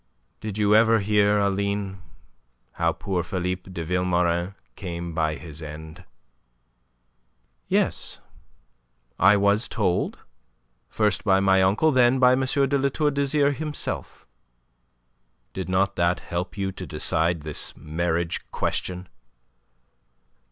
"Did you ever hear, Aline, how poor Philippe de Vilmorin came by his end?" "Yes; I was told, first by my uncle; then by M. de La Tour d'Azyr, himself." "Did not that help you to decide this marriage question?"